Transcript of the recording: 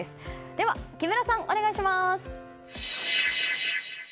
では、木村さん、お願いします。